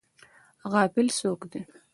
غافل څوک دی؟